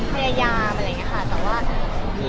แต่ว่ามันก็อาจจะแบบ